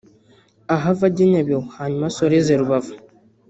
ahave ajya Nyabihu hanyuma asoreze Rubavu